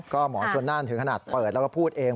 ก็หมอชนน่านถึงขนาดเปิดแล้วก็พูดเอง